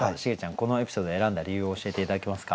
このエピソード選んだ理由を教えて頂けますか？